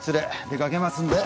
出かけますんで。